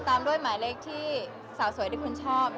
ตามด้วยหมายเลขที่สาวสวยทุกคนชอบ